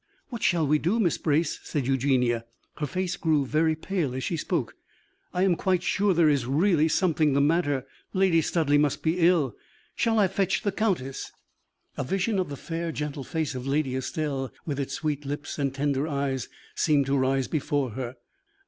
"What shall we do, Miss Brace?" asked Eugenie. Her face grew very pale as she spoke. "I am quite sure that there is really something the matter. Lady Studleigh must be ill. Shall I fetch the countess?" A vision of the fair, gentle face of Lady Estelle, with its sweet lips and tender eyes, seemed to rise before her.